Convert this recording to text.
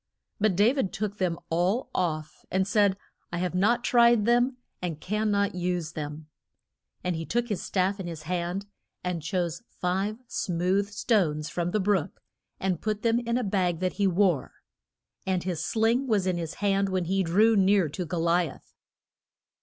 But Da vid took them all off, and said, I have not tried them, and can not use them. And he took his staff in his hand, and chose five smooth stones from the brook and put them in a bag that he wore. And his sling was in his hand when he drew near to Go li ath.